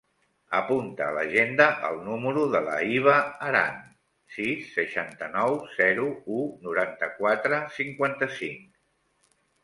Apunta a l'agenda el número de la Hiba Aran: sis, seixanta-nou, zero, u, noranta-quatre, cinquanta-cinc.